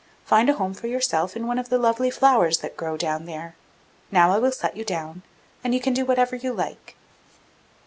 Find a home for yourself in one of the lovely flowers that grow down there; now I will set you down, and you can do whatever you like.